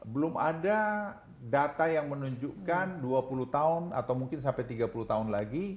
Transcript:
belum ada data yang menunjukkan dua puluh tahun atau mungkin sampai tiga puluh tahun lagi